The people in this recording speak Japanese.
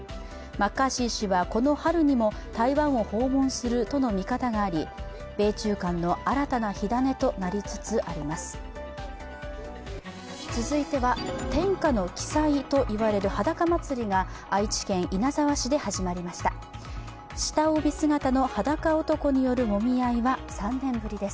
マッカーシー氏はこの春にも台湾を訪問するとの見方があり、米中間の新たな火種となりつつあります。